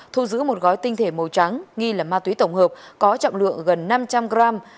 thu giữ một gói tinh thể màu trắng nghi là ma túy tổng hợp có trọng lượng gần năm trăm linh gram